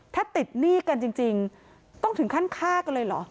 ถ้าติดหนี้กันจริงต้องถึงขั้นฆ่ากันเลยเหรอ